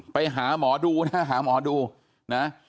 ไปหาหมอดูนะหาหมอดูนะ